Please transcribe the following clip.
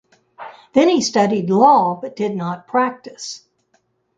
Then he studied law but did not practice.